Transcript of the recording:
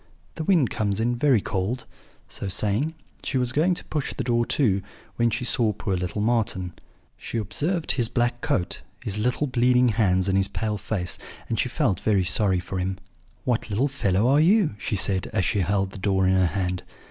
The wind comes in very cold.' So saying, she was going to push the door to, when she saw poor little Marten. She observed his black coat, his little bleeding hands, and his pale face, and she felt very sorry for him. 'What little fellow are you?' she said, as she held the door in her hand.